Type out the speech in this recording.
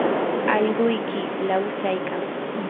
allquyki lawsaykan.